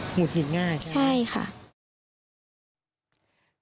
คุยผิดง่ายใช่ไหมครับใช่ค่ะ